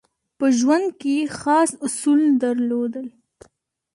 په ژوند کې یې خاص اصول درلودل.